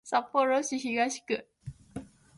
札幌市東区